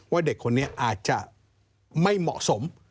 เด็กคนนี้อาจจะไม่เหมาะสม